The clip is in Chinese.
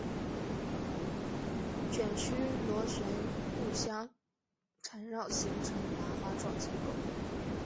卷曲螺旋互相缠绕形成麻花状结构。